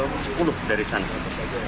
pukul sepuluh dari jam